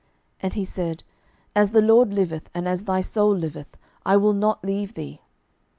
And he said, As the LORD liveth, and as thy soul liveth, I will not leave thee.